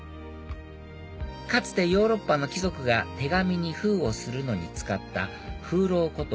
かつてヨーロッパの貴族が手紙に封をするのに使った封ろうこと